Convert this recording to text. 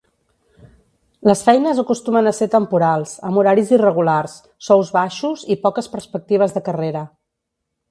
Les feines acostumen a ser temporals, amb horaris irregulars, sous baixos i poques perspectives de carrera.